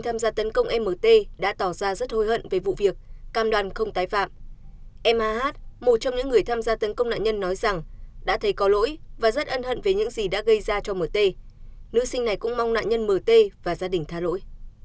em một trong những người tham gia tấn công nạn nhân nói rằng đã thấy có lỗi và rất ân hận về những gì đã gây ra cho mt nữ sinh này cũng mong nạn nhân mt và gia đình tha lỗi